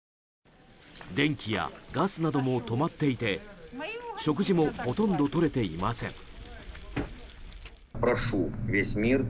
電気やガスなども止まっていて食事もほとんどとれていません。